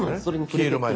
消える前に。